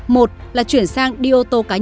một là chuyển sang điện thoại